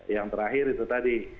yang terakhir itu tadi